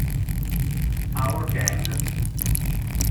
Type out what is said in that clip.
Our gang